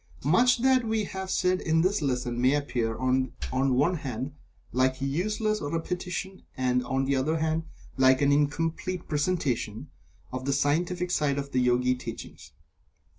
Much that we have said in this lesson may appear, on the one hand, like useless repetition, and, on the other hand, like an incomplete presentation of the scientific side of the Yogi teachings.